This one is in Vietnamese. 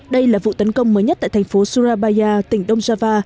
đây là vụ tấn công mới nhất tại thành phố surabaya tỉnh dongjava